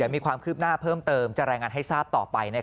มีความคืบหน้าเพิ่มเติมจะรายงานให้ทราบต่อไป